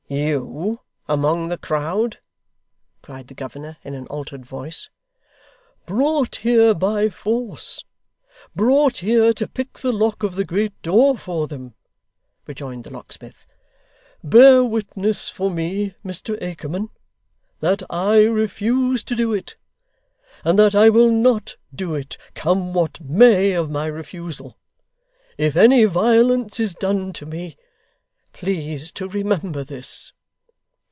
'You among the crowd!' cried the governor in an altered voice. 'Brought here by force brought here to pick the lock of the great door for them,' rejoined the locksmith. 'Bear witness for me, Mr Akerman, that I refuse to do it; and that I will not do it, come what may of my refusal. If any violence is done to me, please to remember this.